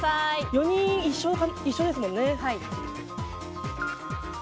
４人一緒ですもんね。